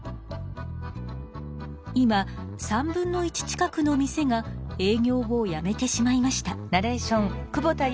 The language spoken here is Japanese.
今３分の１近くの店が営業をやめてしまいました。